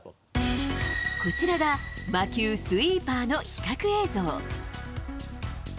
こちらが魔球、スイーパーの比較映像。